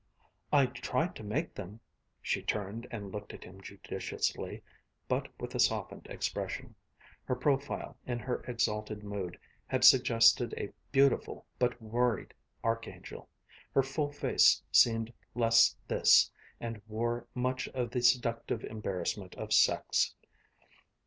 "I'd try to make them." She turned and looked at him judicially, but with a softened expression. Her profile in her exalted mood had suggested a beautiful, but worried archangel; her full face seemed less this and wore much of the seductive embarrassment of sex.